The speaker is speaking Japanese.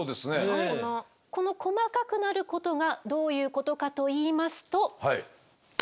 この細かくなることがどういうことかといいますと。